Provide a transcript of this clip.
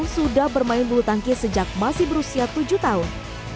sudah bermain bulu tangkis sejak masih berusia tujuh tahun